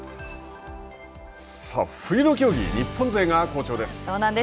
さあ、冬の競技日本勢が好調です。